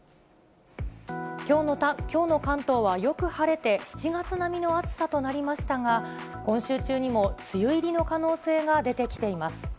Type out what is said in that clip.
きょうの関東はよく晴れて、７月並みの暑さとなりましたが、今週中にも梅雨入りの可能性が出てきています。